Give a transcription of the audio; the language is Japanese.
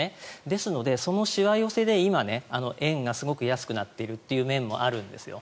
ですので、そのしわ寄せで今、円がすごく安くなっているという面もあるんですよ。